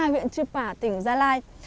viện chư phả tỉnh gia lai